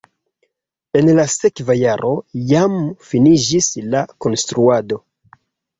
En la sekva jaro jam finiĝis la konstruado.